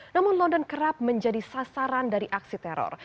namun london kerap menjadi sasaran dari aksi teror